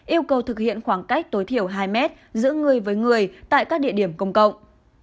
yêu cầu thực hiện khoảng cách tối thiểu hai mét giữa người với người tại các địa điểm công cộng